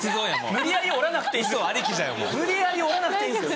無理やり折らなくていいんですよ。